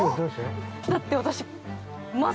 だって私。